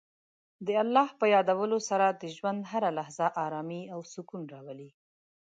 د الله په یادولو سره د ژوند هره لحظه ارامۍ او سکون راولي.